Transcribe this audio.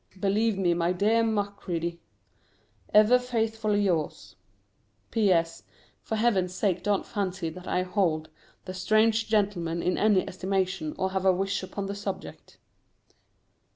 Believe me, my dear Macready, Ever faithfully yours. P.S. For Heaven's sake don't fancy that I hold "The Strange Gentleman" in any estimation, or have a wish upon the subject.